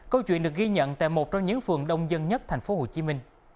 câu chuyện được ghi nhận tại một trong những phường đông dân nhất tp hcm